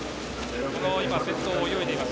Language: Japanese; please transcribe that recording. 先頭を泳いでいます